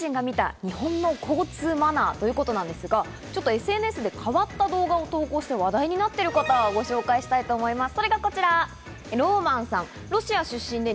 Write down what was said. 外国人が見た日本の交通マナーということなんですが、ＳＮＳで変わった動画を投稿して、話題になっていることをご紹介したいと思います。